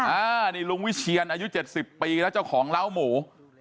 อันนี้ลุงวิเชียนอายุ๗๐ปีแล้วเจ้าของเล้าหมู